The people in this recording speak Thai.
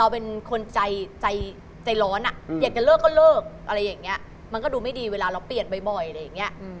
ไม่มูเลยพี่